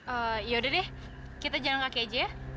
eh yaudah deh kita jalan kaki aja